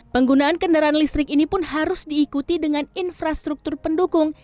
penggunaan kendaraan listrik ini pun harus diikuti dengan infrastruktur pendukung